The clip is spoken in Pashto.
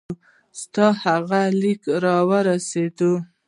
ستا هغه لیک را ورسېدی.